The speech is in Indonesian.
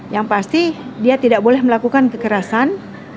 yang pasti dia tidak boleh melakukan kekerasan